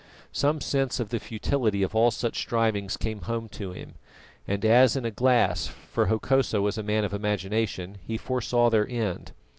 Some sense of the futility of all such strivings came home to him, and as in a glass, for Hokosa was a man of imagination, he foresaw their end.